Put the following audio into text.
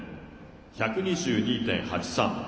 １２２．８３。